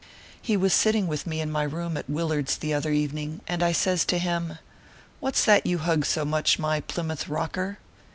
He was sitting with me in my room at Willard s the other evening, and says I to him : "What s that you hug so much, my Plymouth Rocker